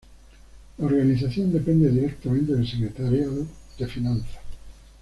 La organización depende directamente del Secretario de Finanzas.